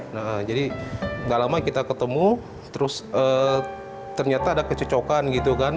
nah jadi gak lama kita ketemu terus ternyata ada kecocokan gitu kan